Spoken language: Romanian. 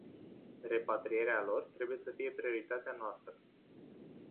Repatrierea lor trebuie să fie prioritatea noastră.